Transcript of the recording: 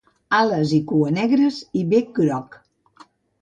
Ales i cua negres i bec groc.